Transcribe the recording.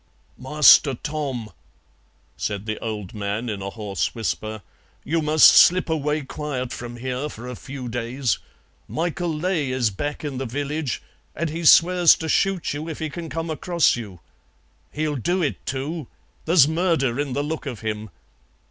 "Master Tom," said the old man in a hoarse whisper, "you must slip away quiet from here for a few days. Michael Ley is back in the village, an' he swears to shoot you if he can come across you. He'll do it, too, there's murder in the look of him.